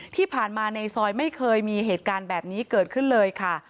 ที่ผ่านมาในซอยไม่เคยมีเหตุการณ์แบบนี้เกิดขึ้นเลยค่ะ